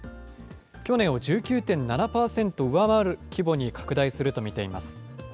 去年を１９．７％上回る規模に拡大すると見ています。